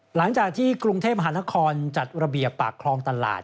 หลังจากที่กรุงเทพมหานครจัดระเบียบปากคลองตลาด